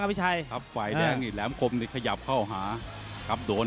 ปลายแรงแหลมคมขยับมาเข้ามาถูก